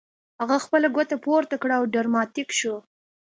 هغه خپله ګوته پورته کړه او ډراماتیک شو